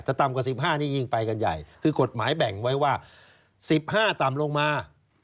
ถ้าต่ำกว่า๑๕นี่ยิ่งไปกันใหญ่คือกฎหมายแบ่งไว้ว่า๑๕ต่ำลงมา